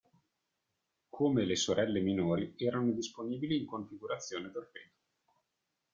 Come le "sorelle minori", erano disponibili in configurazione torpedo.